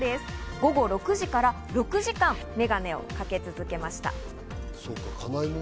午後６時から６時間メガネをかけ続けました。